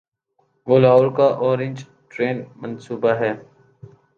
وہ لاہور کا orange train منصوبہ ہے۔